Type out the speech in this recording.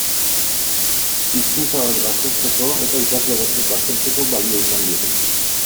Hizkuntza bat baztertzeko eta ikasle batzuk baztertzeko balio izan digu.